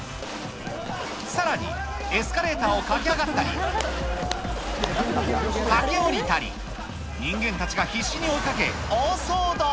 さらに、エスカレーターを駆け上がったり、駆け下りたり、人間たちが必死に追いかけ、大騒動。